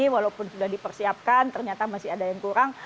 walaupun sudah dipersiapkan ternyata masih ada yang kurang